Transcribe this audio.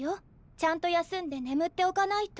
ちゃんと休んで眠っておかないと。